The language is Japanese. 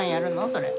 それ。